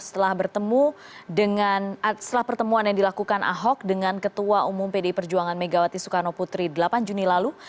setelah bertemu dengan setelah pertemuan yang dilakukan ahok dengan ketua umum pdi perjuangan megawati soekarno putri delapan juni lalu